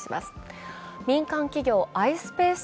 民間企業ｉｓｐａｃｅ